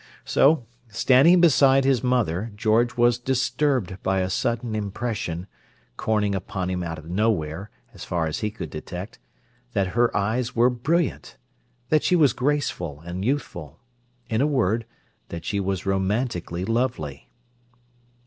So, standing beside his mother, George was disturbed by a sudden impression, coming upon him out of nowhere, so far as he could detect, that her eyes were brilliant, that she was graceful and youthful—in a word, that she was romantically lovely.